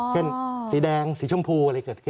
เพราะฉะนั้นสีแดงสีชมพูอะไรเกิดขึ้น